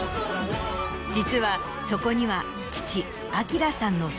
実はそこには。